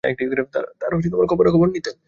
তাঁর খবরাখবর নিতেন।